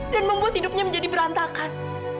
dan membuat hidupnya menjadi berantakan